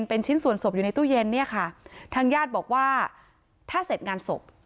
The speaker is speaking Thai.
เป็นชิ้นส่วนศพอยู่ในตู้เย็นเนี่ยค่ะทางญาติบอกว่าถ้าเสร็จงานศพ